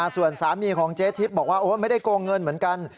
ส่วนสามีของเจ๊ทิพย์บอกว่าไม่ได้โกงเงินเหมือนกัน